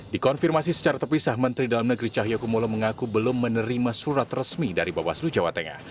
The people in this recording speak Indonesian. dikonfirmasi secara terpisah menteri dalam negeri cahyokumolo mengaku belum menerima surat resmi dari bawaslu jawa tengah